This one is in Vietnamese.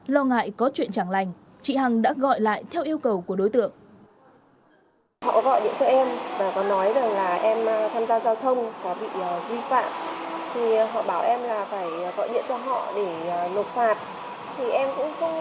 lo ngại có chuyện chẳng lành chị hằng đã gọi lại theo yêu cầu của đối tượng